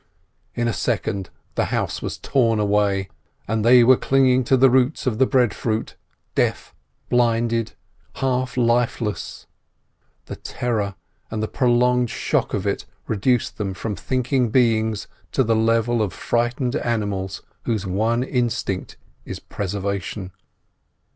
In a second the house was torn away, and they were clinging to the roots of the breadfruit, deaf, blinded, half lifeless. The terror and the prolonged shock of it reduced them from thinking beings to the level of frightened animals whose one instinct is preservation.